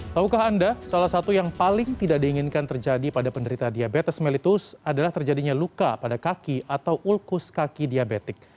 taukah anda salah satu yang paling tidak diinginkan terjadi pada penderita diabetes mellitus adalah terjadinya luka pada kaki atau ulkus kaki diabetik